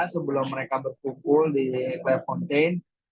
sebelum mereka berkumpul di telepontain